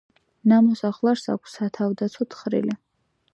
ნამოსახლარს აქვს სათავდაცვო თხრილი.